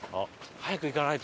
早く行かないと。